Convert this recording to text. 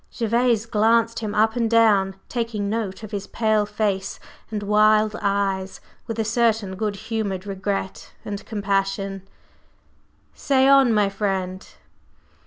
Gervase glanced him up and down, taking note of his pale face and wild eyes with a certain good humored regret and compassion. "Say on, my friend."